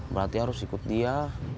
berarti harus ikut dia